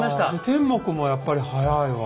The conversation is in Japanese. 天目もやっぱり早いわ。